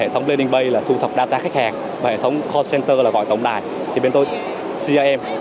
thông tin bay là thu thập data khách hàng và hệ thống call center là gọi tổng đài thì bên tôi crm